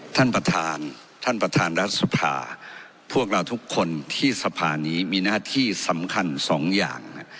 ท่านประธานท่านประธานรัฐสภาพวกเราทุกคนที่สภานี้มีหน้าที่สำคัญสองอย่าง